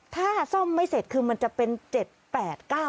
ถ้าซ่อมไม่เสร็จคือมันจะเป็น๗๘๙